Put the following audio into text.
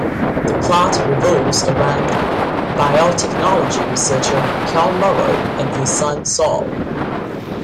The plot revolves around biotechnology researcher Kal Morrow and his son Saul.